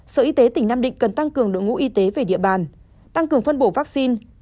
sở y tế tỉnh nam định cần tăng cường đội ngũ y tế về địa bàn tăng cường phân bổ vaccine